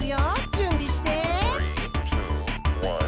じゅんびして。